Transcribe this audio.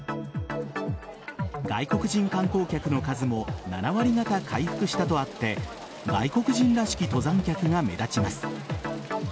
外国人観光客の数も７割方、回復したとあって外国人らしき登山客が目立ちます。